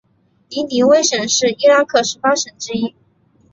尼尼微省是伊拉克十八省之一。